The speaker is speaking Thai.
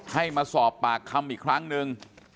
ให้มาสอบปากคำอีกครั้งหนึ่ง